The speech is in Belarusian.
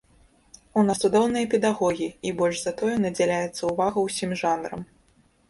У нас цудоўныя педагогі, і, больш за тое, надзяляецца ўвага ўсім жанрам.